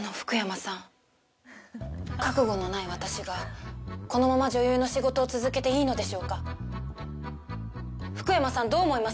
覚悟のない私が、このまま女優の仕事を続けていいのでしょうか。